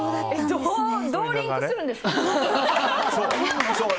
どうリンクするんですか？